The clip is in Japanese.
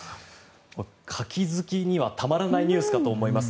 カキ好きにはたまらないニュースかと思います。